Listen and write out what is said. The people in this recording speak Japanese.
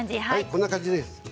こんな感じです。